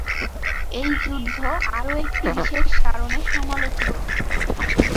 এই যুদ্ধ আরো একটি বিশেষ কারণে সমালোচিত।